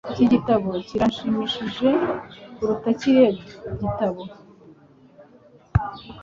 Iki gitabo kirashimishije kuruta kiriya gitabo